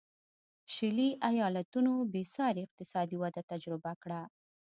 شلي ایالتونو بېسارې اقتصادي وده تجربه کړه.